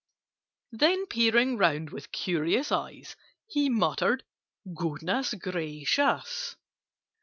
Then, peering round with curious eyes, He muttered "Goodness gracious!"